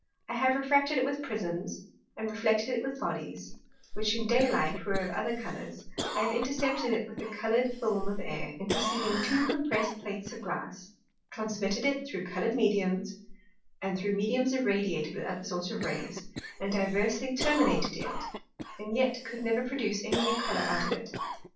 I have refracted it with Prisms, and reflected it with Bodies, which in Day light were of other Colours; I have intercepted it with the colour'd Film of Air interceding two compressed Plates of Glass; transmitted it through colour'd Mediums, and through Mediums irradiated with other sorts of Rays, and diversly terminated it, and yet could never produce any new Colour out of it.